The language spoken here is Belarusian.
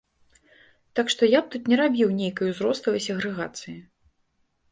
Так што я б тут не рабіў нейкай узроставай сегрэгацыі.